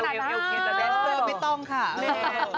เอาขนาดมากไม่ต้องค่ะ